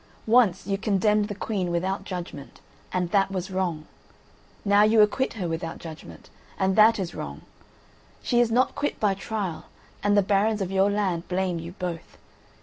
Once you condemned the Queen without judgment, and that was wrong; now you acquit her without judgment, and that is wrong. She is not quit by trial, and the barons of your land blame you both.